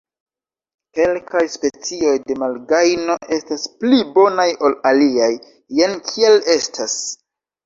Kelkaj specoj de malgajno estas pli bonaj ol aliaj, jen kiel estas.